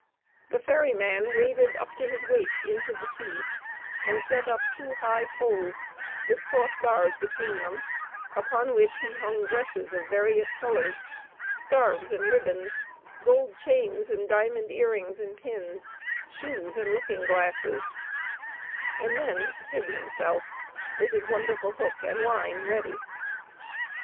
The ferry man waded up to his waist into the sea, and set up two high poles, with cross bars between them, upon which he hung dresses of various colours, scarves, and ribbons, gold chains, and diamond earrings and pins, shoes, and looking glasses, and then hid himself, with his wonderful hook and line ready.